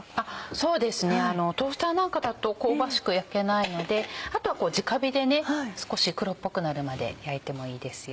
そうですねトースターなんかだと香ばしく焼けないのであとはじか火で少し黒っぽくなるまで焼いてもいいですよ。